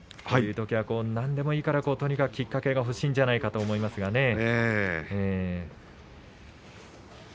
こういうときは何でもいいからきっかけが欲しいんじゃないかと思いますがね。